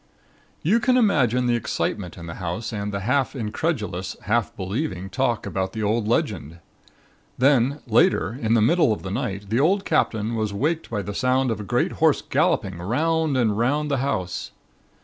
"You can imagine the excitement in the house and the half incredulous, half believing talk about the old legend. Then, later, in the middle of the night the old Captain was waked by the sound of a great horse galloping 'round and 'round the house.